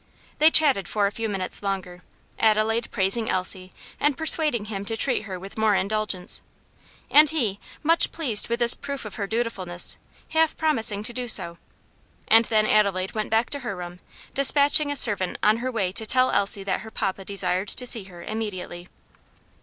They chatted for a few moments longer; Adelaide praising Elsie, and persuading him to treat her with more indulgence; and he, much pleased with this proof of her dutifulness, half promising to do so; and then Adelaide went back to her room, despatching a servant on her way to tell Elsie that her papa desired to see her immediately.